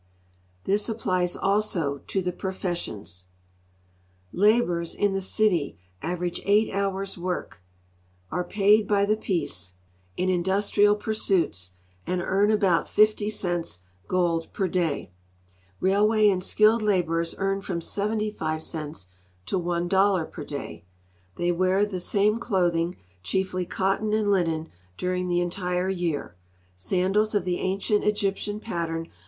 This applies also t<j the i>rofessions. Laborers in the cities average eight hours' work, are paid by the piece S4 GEOGRAPHIC LITERA PURE in industrial pursuits, and earn about 50 cents (gold) per day. Eaihvay and skilled laborers earn from 75 cents to $1 per day. They wear the same clothing, chiefly cotton and linen, during the entire year ; sandals of the ancient Egyptian pattern.